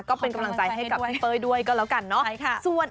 ก็เป็นกำลังใจให้กับพี่เป้ยด้วยก็แล้วกันเนาะ